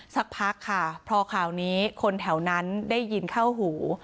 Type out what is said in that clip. สักพักค่ะพอข่าวนี้คนแถวนั้นได้ยินเข้าหู